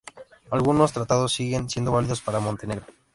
Algunos tratados siguen siendo válidos para Montenegro.